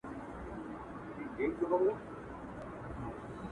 د نورو هیوادونو د لیکوالو